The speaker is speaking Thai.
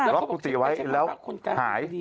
็กกุฏิไว้แล้วหาย